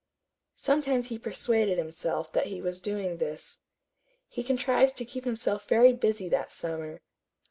Sometimes he persuaded himself that he was doing this. He contrived to keep himself very busy that summer.